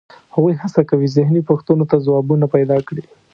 هغوی هڅه کوي ذهني پوښتنو ته ځوابونه پیدا کړي.